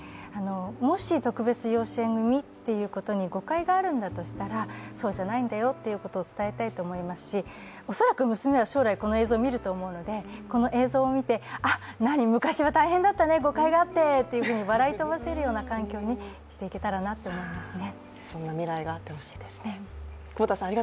もし特別養子縁組ということに誤解があるんだとしたらそうじゃないんだよっていうことを伝えたいと思いますし恐らく娘は将来この映像を見ると思うのでこの映像を見て、何、昔は大変だったね、誤解があってって、笑い飛ばせるような環境にしていけたらなって思いますね。